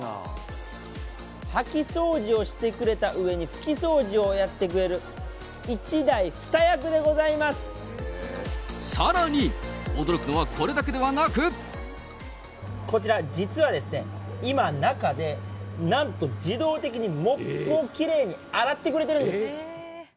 掃き掃除をしたくれたうえに、拭き掃除をやってくれる、さらに、驚くのはこれだけでこちら、実はですね、今、中でなんと自動的にモップをきれいに洗ってくれてるんです。